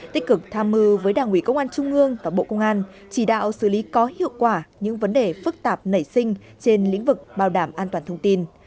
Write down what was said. tích cực tham mưu với đảng ủy công an trung ương và bộ công an chỉ đạo xử lý có hiệu quả những vấn đề phức tạp nảy sinh trên lĩnh vực bảo đảm an toàn thông tin